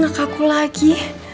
sampai jumpa lagi